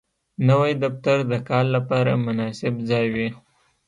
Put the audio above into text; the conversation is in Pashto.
نوی دفتر د کار لپاره مناسب ځای وي